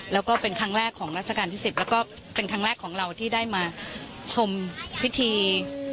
แล้วก็เป็นครั้งแรกของราชการที่๑๐แล้วก็เป็นครั้งแรกของเราที่ได้มาชมพิธี